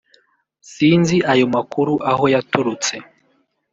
sinzi ayo makuru aho yaturutse”